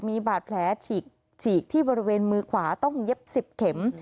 มีบาดแผลฉีกที่บริเวณมือขวาต้องเย็บ๑๐เข็ม